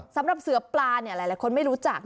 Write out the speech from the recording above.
สำหรับเสือปลาหลายคนไม่รู้จัก